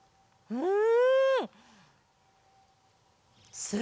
うん。